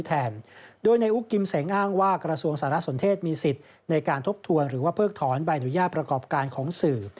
แทนโดยในอุ๊กกิมเสงอ้างว่ากระทรวงสารสนเทศมีสิทธิ์ในการทบทวนหรือว่าเพิกถอนใบอนุญาตประกอบการของสื่อ